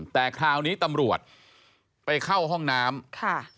แต่คราวนี้ตำรวจไปเข้าห้องน้ำค่ะ